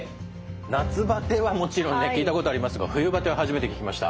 夏バテはもちろん聞いたことありますが冬バテは初めて聞きました。